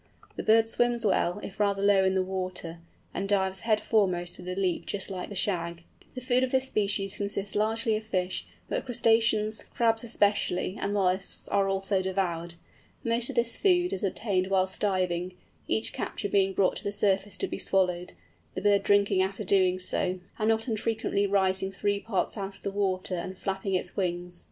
The bird swims well, if rather low in the water, and dives head foremost with a leap just like the Shag. The food of this species consists largely of fish, but crustaceans, crabs especially, and molluscs are also devoured. Most of this food is obtained whilst diving, each capture being brought to the surface to be swallowed, the bird drinking after doing so, and not unfrequently rising three parts out of the water and flapping its wings.